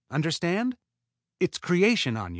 Understand? It's creation, Aña!